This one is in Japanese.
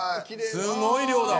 すごい量だ。